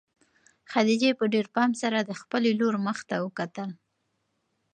خدیجې په ډېر پام سره د خپلې لور مخ ته وکتل.